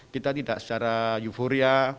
kita tidak secara euforia